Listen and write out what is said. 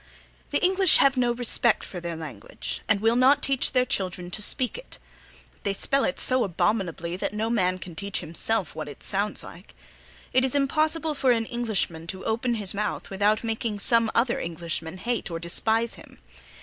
The English have no respect for their language, and will not teach their children to speak it. They spell it so abominably that no man can teach himself what it sounds like. It is impossible for an Englishman to open his mouth without making some other Englishman hate or despise him.